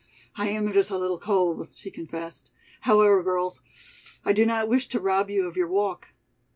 "I am just a little cold," she confessed, "however, girls, I do not wish to rob you of your walk."